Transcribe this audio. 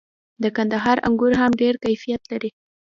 د کندهار انګور هم ډیر کیفیت لري.